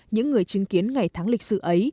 những người chứng kiến ngày tháng lịch sử ấy